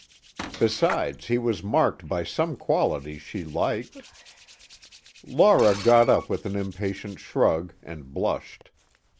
Besides, he was marked by some qualities she liked. Laura got up with an impatient shrug, and blushed.